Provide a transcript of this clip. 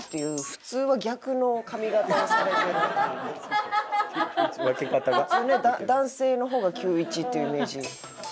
普通ね男性の方が９：１っていうイメージ。